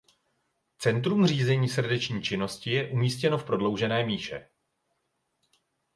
Centrum řízení srdeční činnosti je umístěno v prodloužené míše.